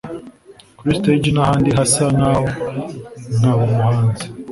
kuri stage n’ahandi hasa nkaho nkaba umuhanzi